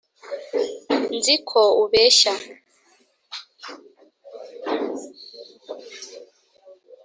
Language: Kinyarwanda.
nzi ko ubeshya)